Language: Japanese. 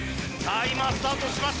今、スタートしました。